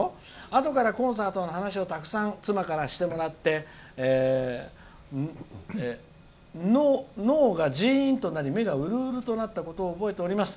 あとからコンサートの話をたくさん妻からしてもらって脳が、ジーンとなり目がうるうるとなったことを覚えております。